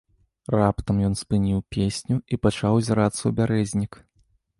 Раптам ён спыніў песню і пачаў узірацца ў бярэзнік.